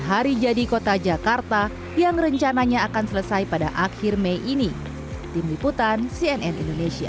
hari jadi kota jakarta yang rencananya akan selesai pada akhir mei ini tim liputan cnn indonesia